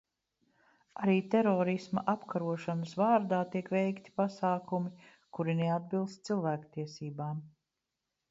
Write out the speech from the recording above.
Arī terorisma apkarošanas vārdā tiek veikti pasākumi, kuri neatbilst cilvēktiesībām.